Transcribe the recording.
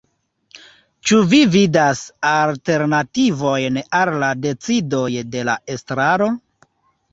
Ĉu vi vidas alternativojn al la decidoj de la estraro?